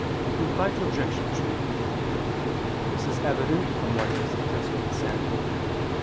Reply Obj. 2: This is evident from what has just been said.